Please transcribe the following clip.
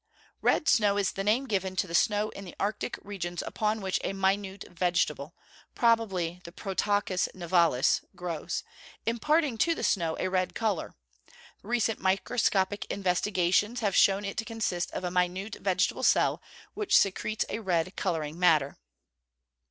_ Red snow is the name given to the snow in the arctic regions upon which a minute vegetable (probably the Protoccus nivalis) grows, imparting to the snow a red colour. Recent microscopic investigations have shown it to consist of a minute vegetable cell, which secretes a red colouring matter.